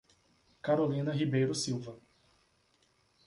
Carolina Ribeiro Silva